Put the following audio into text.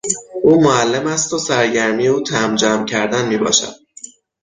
او معلم است و سرگرمی او تمبر جمع کردن میباشد.